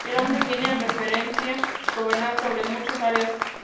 El nombre viene a referencia "gobernar sobre muchas áreas".